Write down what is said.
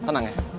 sel tenang ya